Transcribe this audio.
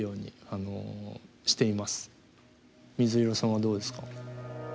水色さんはどうですか？